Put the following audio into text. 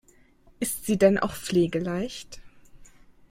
Ist sie denn auch pflegeleicht?